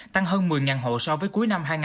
tăng hơn một mươi hộ so với cuối năm hai nghìn hai mươi